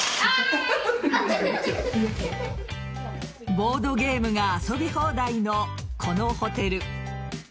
ボードゲームが遊び放題のこのホテル。